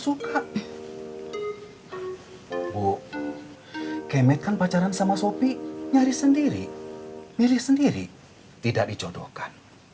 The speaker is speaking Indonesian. bu kayak matt kan pacaran sama sopi nyaris sendiri miris sendiri tidak dicodokan